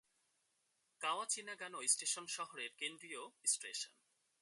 Kawachinagano station শহরের কেন্দ্রীয় station.